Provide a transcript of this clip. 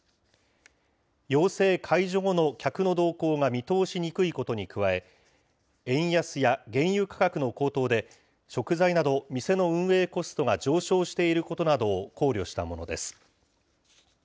要請解除後の客の動向が見通しにくいことに加え、円安や原油価格の高騰で、食材など店の運営コストが上昇していることなどを考慮したものです。